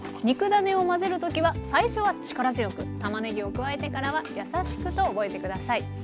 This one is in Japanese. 肉ダネを混ぜる時は最初は力強くたまねぎを加えてからはやさしくと覚えて下さい。